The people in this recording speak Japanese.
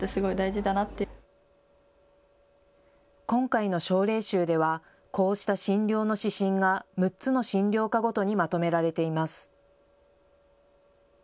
今回の症例集ではこうした診療の指針が６つの診療科ごとにまとめられています。